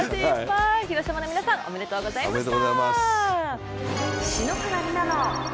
広島の皆さん、おめでとうございました。